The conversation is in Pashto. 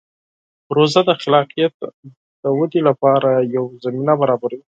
پروژه د خلاقیت د ودې لپاره یوه زمینه برابروي.